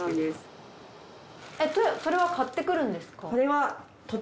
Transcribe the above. それは買ってくるんですか？